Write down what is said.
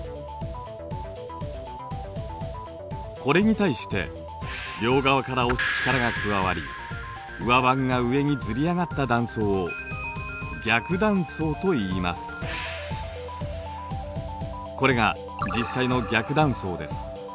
これに対して両側から押す力が加わり上盤が上にずり上がった断層をこれが実際の逆断層です。